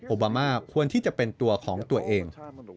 โอบามาควรที่จะเป็นตัวของตัวเอง